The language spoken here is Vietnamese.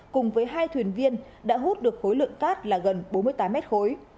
cùng với hai thuyền viên đã hút được khối lượng cát là gần bốn mươi tám mét khối